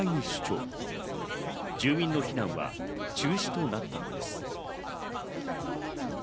住民の避難は中止となったのです。